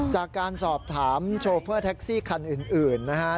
จากการสอบถามโชเฟอร์แท็กซี่คันอื่นนะฮะ